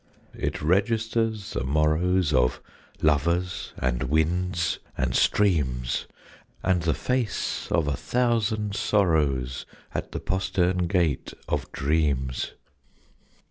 It registers the morrows Of lovers and winds and streams, And the face of a thousand sorrows At the postern gate of dreams.